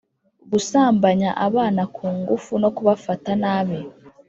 gusambanya abana ku ngufu no kubafata nabi: